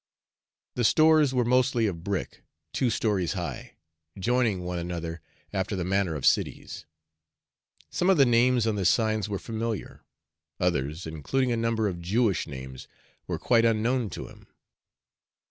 The stores were mostly of brick, two stories high, joining one another after the manner of cities. Some of the names on the signs were familiar; others, including a number of Jewish names, were quite unknown to him.